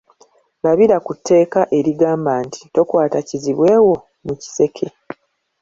Labira ku ‘tteeka’ erigamba nti tokwata kizibwe wo mu kiseke.